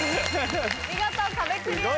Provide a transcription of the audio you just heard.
見事壁クリアです。